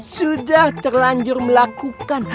sudah terlanjur melakukan